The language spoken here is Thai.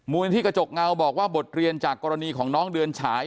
นิธิกระจกเงาบอกว่าบทเรียนจากกรณีของน้องเดือนฉาย